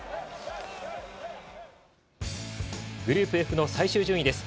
グループＦの最終順位です。